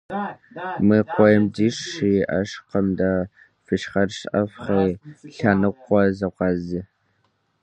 - Мы куейм дишх щыӏэжкъым дэ: фи щхьэр щӏэфхьи, лъэныкъуэ зевгъэз.